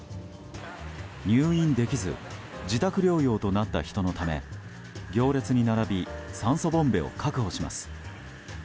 入院できず自宅療養となった人のため行列に並び酸素ボンベを確保します。